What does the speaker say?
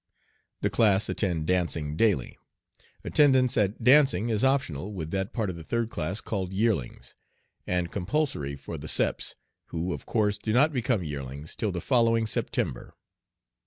The class attend dancing daily. Attendance at dancing is optional with that part of the third class called "yearlings," and compulsory for the "Seps," who of course do not become yearlings till the following September.